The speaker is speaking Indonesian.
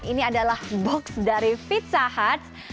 ini adalah box dari pizza huts